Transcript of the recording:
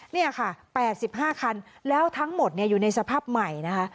นี่ค่ะ๘๕คันแล้วทั้งหมดอยู่ในสภาพใหม่นะคะ